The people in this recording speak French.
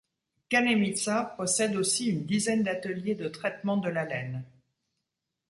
Kamenitsa possède aussi une dizaine d'ateliers de traitement de la laine.